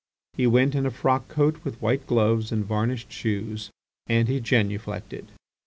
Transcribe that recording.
He went in a frock coat with white gloves and varnished shoes, and he genuflected.